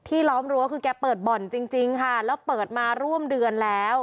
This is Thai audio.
ล้อมรั้วคือแกเปิดบ่อนจริงจริงค่ะแล้วเปิดมาร่วมเดือนแล้ว